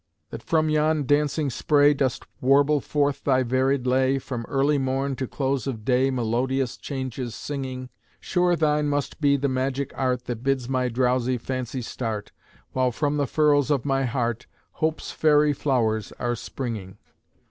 that from yon dancing spray Dost warble forth thy varied lay, From early morn to close of day Melodious changes singing, Sure thine must be the magic art That bids my drowsy fancy start, While from the furrows of my heart, Hope's fairy flowers are springing.